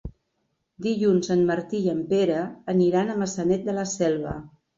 Dilluns en Martí i en Pere aniran a Maçanet de la Selva.